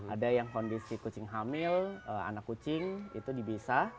ada yang kondisi kucing hamil anak kucing itu dipisah